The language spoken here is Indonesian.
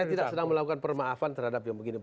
saya tidak sedang melakukan permaafan terhadap yang begini